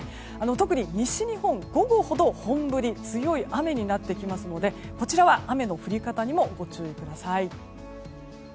特に西日本、午後ほど本降りで強い雨になってきますのでこちらは雨の降り方にもご注意ください。